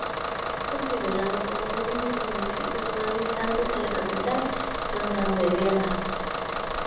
Es considerado como uno de los Municipio más distantes a la capital santandereana.